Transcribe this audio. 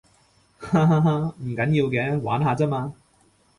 哈哈哈，唔緊要嘅，玩下咋嘛